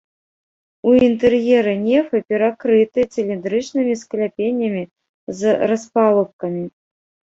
У інтэр'еры нефы перакрыты цыліндрычнымі скляпеннямі з распалубкамі.